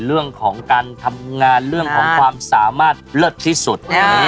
เรื่องของการทำงานเรื่องของความสามารถเลิศที่สุด